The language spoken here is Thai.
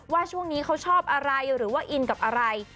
ว่าช่วงนี้เขาชอบอะไรหรือว่าอินกับอะไร